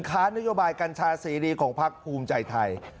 ค้านนโยบายกัญชาเสรีของพักภูมิใจไทย